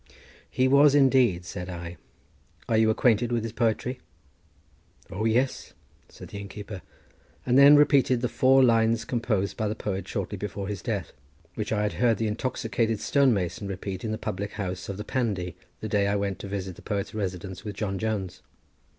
"He was indeed," said I; "are you acquainted with his poetry?" "O yes," said the innkeeper, and then repeated the four lines composed by the poet shortly before his death, which I had heard the intoxicated stonemason repeat in the public house of the Pandy, the day I went to visit the poet's residence with John Jones.